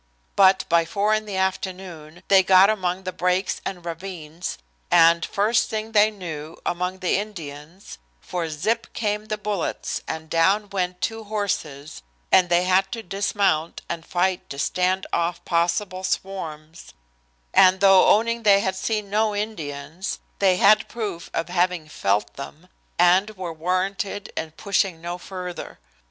But, by four in the afternoon, they got among the breaks and ravines and, first thing they knew, among the Indians, for zip came the bullets and down went two horses, and they had to dismount and fight to stand off possible swarms, and, though owning they had seen no Indians, they had proof of having felt them, and were warranted in pushing no further.